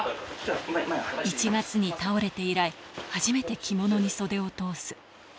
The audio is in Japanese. １月に倒れて以来、初めて着物に袖を通す。